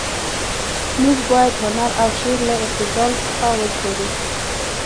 موږ باید هنر او شعر له ابتذال څخه وژغورو.